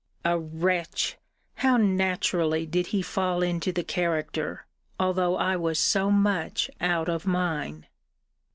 A wretch! how naturally did he fall into the character, although I was so much out of mine!